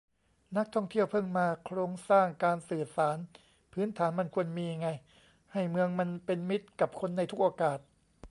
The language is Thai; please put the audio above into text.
นักท่องเที่ยวเพิ่งมา โครงสร้างการสื่อสารพื้นฐานมันควรมีไง ให้เมืองมันเป็นมิตรกับคนในทุกโอกาส